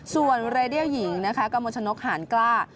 ส่วนเรเดียลหญิงนะคะกระมวลชนกหารกล้า